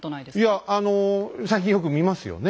いやあの最近よく見ますよね。